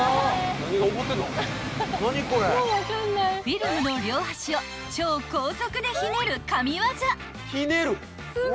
［フィルムの両端を超高速でひねる神業］